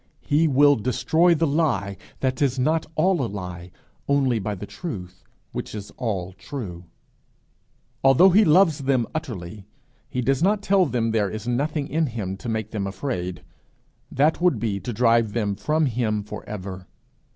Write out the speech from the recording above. He will destroy the lie that is not all a lie only by the truth which is all true. Although he loves them utterly, he does not tell them there is nothing in him to make them afraid. That would be to drive them from him for ever.